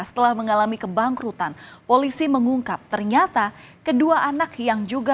setelah mengalami kebangkrutan polisi mengungkap ternyata kedua anak yang juga